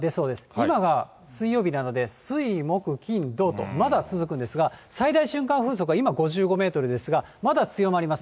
今が水曜日なので、水、木、金、土と、まだ続くんですが、最大瞬間風速は今５５メートルですが、まだ強まります。